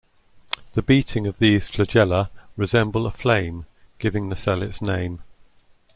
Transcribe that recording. The beating of these flagella resemble a flame, giving the cell its name.